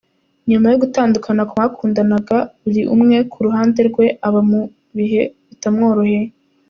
Nyuma yo gutandukana ku bakundanaga buri umwe ku ruhande rwe aba mu bihe bitamworoheye.